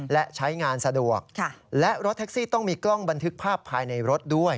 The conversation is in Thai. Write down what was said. และใช้งานสะดวกและรถแท็กซี่ต้องมีกล้องบันทึกภาพภายในรถด้วย